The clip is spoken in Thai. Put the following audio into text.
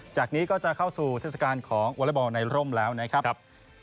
จากนี้ก็จะเข้าสู่เทศกาลของวอเล็กบอลในร่มแล้วนะครับ